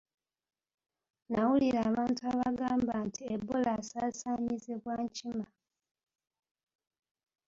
Nawulira abantu abagamba nti Ebola asaasaanyizibwa nkima.